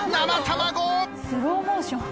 スローモーション。